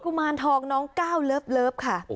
มารทองน้องก้าวเลิฟค่ะ